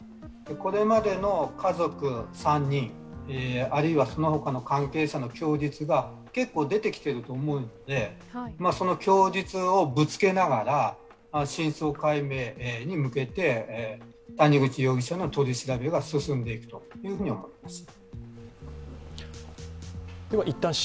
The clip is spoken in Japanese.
これまでの家族３人、あるいはそのほかの関係者の供述が結構出てきていると思うのでその供述をぶつけながら真相解明に向けて谷口容疑者の取り調べが進んでいくと思います。